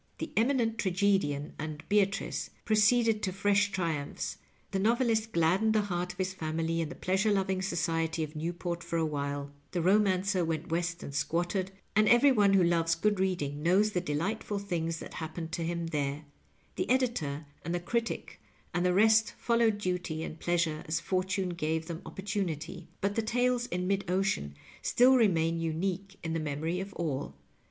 The Eminent Tragedian and Beatrice pro ceeded to fresh triumphs; the Kovelist gladdened the heart of his family and the pleasure loving society of Newport for a while ; the Romancer went West and squatted, and every one who loves good reading knows the delightful things that happened to him there ; the Editor and the Critic and the rest followed duty and pleasure as fortune gave them opportunity : but the Tales in Mid Ocean still remain unique in the memory of all.